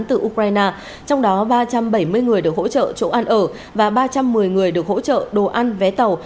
từ ukraine trong đó ba trăm bảy mươi người được hỗ trợ chỗ ăn ở và ba trăm một mươi người được hỗ trợ đồ ăn vé tàu